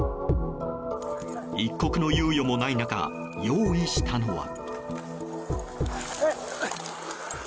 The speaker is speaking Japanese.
一刻の猶予もない中用意したのは。